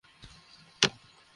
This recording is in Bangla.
ওকে বিছানায় নিয়ে চলো!